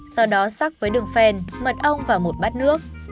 sau đó sắc với đường phèn mật ong và một bát nước